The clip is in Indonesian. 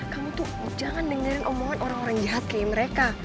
kamu tuh jangan dengerin omongan orang orang jahat kayak mereka